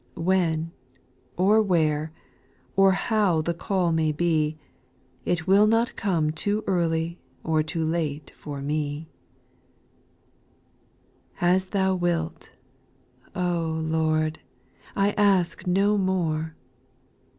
When, or where, or how the call may be, It will not come too early or too late for me, 7. As Thou wilt I oh. Lord ! I ask no more.